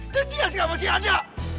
dan dia sih nggak pasti ada